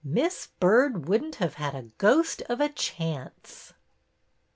Miss Byrd would n't have had a ghost of a chance."